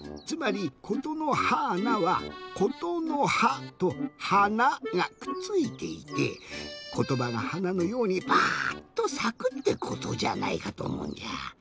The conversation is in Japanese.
つまり「ことのはーな」は「ことのは」と「はな」がくっついていてことばがはなのようにバッとさくってことじゃないかとおもうんじゃ。